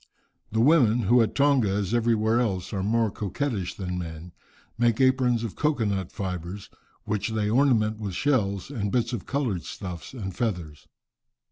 The women, who at Tonga, as everywhere else, are more coquettish than men, make aprons of cocoa nut fibres, which they ornament with shells, and bits of coloured stuffs and feathers.